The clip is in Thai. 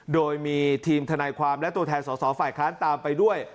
โดยมีทีมทนายความและตัวแทนสอสอฝ่ายค้านตามไปด้วย